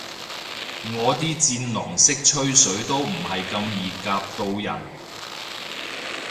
我啲戰狼式吹水都唔係咁易夾到人